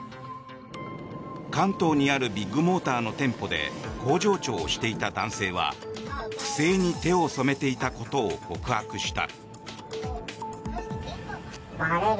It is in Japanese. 関東にあるビッグモーターの店舗で工場長をしていた男性は不正に手を染めていたことを告白した。